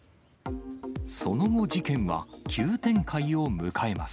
その後、事件は急展開を迎えます。